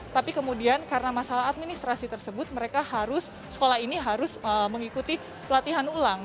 tapi kemudian karena masalah administrasi tersebut mereka harus sekolah ini harus mengikuti pelatihan ulang